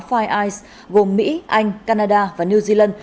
five eyes gồm mỹ anh canada và new zealand